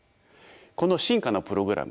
この進化のプログラム